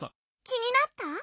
きになった？